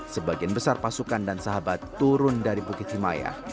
sebagian besar pasukan dan sahabat turun dari bukit himayah